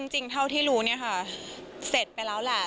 จริงเท่าที่รู้เนี่ยค่ะเสร็จไปแล้วแหละ